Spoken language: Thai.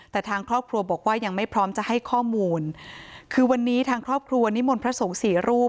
แต่ทางครอบครัวบอกว่ายังไม่พร้อมจะให้ข้อมูลคือวันนี้ทางครอบครัวนิมนต์พระสงฆ์สี่รูป